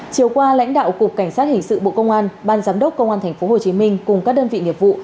chiều qua lãnh đạo cục cảnh sát hình sự bộ công an ban giám đốc công an tp hcm cùng các đơn vị nghiệp vụ